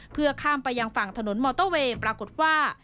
เพื่อข้ามไปยังฝั่งถนนมอเตอร์เวย์ปรากฏว่า